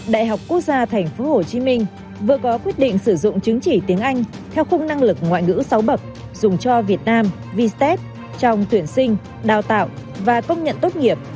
đại học quốc gia tp hcm vừa có quyết định sử dụng chứng chỉ tiếng anh theo khung năng lực ngoại ngữ sáu bậc dùng cho việt nam v step trong tuyển sinh đào tạo và công nhận tốt nghiệp